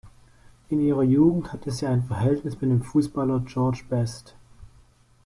In ihrer Jugend hatte sie ein Verhältnis mit dem Fußballer George Best.